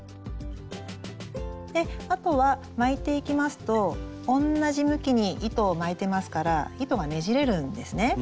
であとは巻いていきますと同じ向きに糸を巻いてますから糸がねじれるんですね。